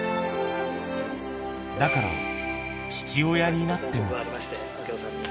だから、父親になっても。